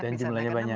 dan jumlahnya banyak